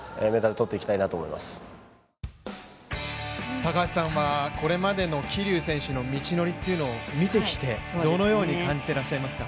高橋さんはこれまでの桐生選手の道のりっていうのを見てきて、どのように感じてらっしゃいますか。